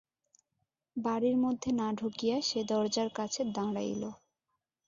বাড়ির মধ্যে না ঢুকিয়া সে দরজার কাছে দাঁড়াইল।